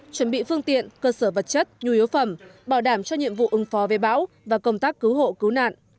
chuẩn bị phương tiện cơ sở vật chất nhu yếu phẩm bảo đảm cho nhiệm vụ ứng phó với bão và công tác cứu hộ cứu nạn